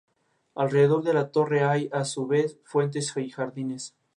Alrededor de la torre hay, a su vez, fuentes y jardines.